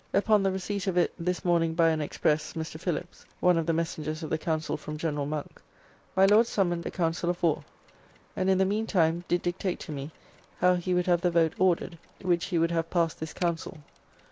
Upon the receipt of it this morning by an express, Mr. Phillips, one of the messengers of the Council from General Monk, my Lord summoned a council of war, and in the mean time did dictate to me how he would have the vote ordered which he would have pass this council.